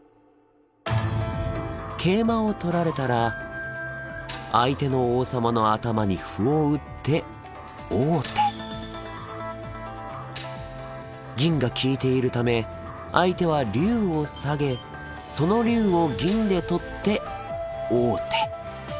桂馬を取られたら相手の王様の頭に歩を打って王手銀が利いているため相手は龍を下げその龍を銀で取って王手。